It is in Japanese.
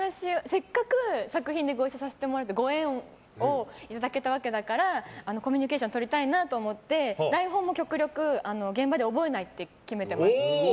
せっかく作品でご一緒させてもらってご縁をいただけたわけだからコミュニケーション取りたいなと思って台本も極力現場で覚えないって決めてます。